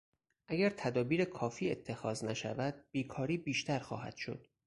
اگر تدابیر کافی اتخاذ نشود بیکاری بیشتر خواهد شد.